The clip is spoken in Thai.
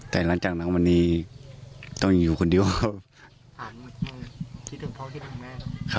แต่หลังจากนั้นวันนี้ต้องอยู่คนเดียวครับ